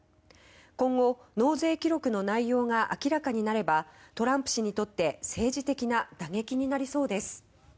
今後、納税記録の内容が明らかになればトランプ氏にとって政治的な打撃になりそうです。